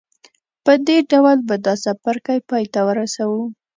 په دې ډول به دا څپرکی پای ته ورسوو